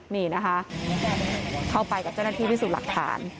นี่นะคะเข้าไปกับเจ้าหน้าที่พิสูจน์หลักฐาน